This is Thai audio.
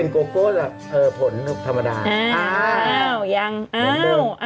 โอเคโอเคโอเค